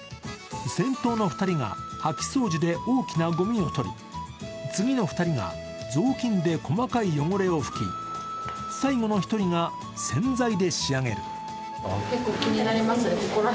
先頭の２人が掃き掃除で大きなごみを取り、次の２人がぞうきんで細かい汚れを拭き最後の１人が洗剤で仕上げる。